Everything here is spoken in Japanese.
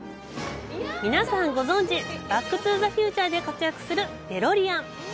皆さんご存じ「バック・トゥ・ザ・フューチャー」で活躍するデロリアン！